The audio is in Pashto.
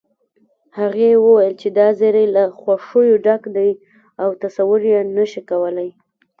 هغې وويل چې دا زيری له خوښيو ډک دی او تصور يې نشې کولی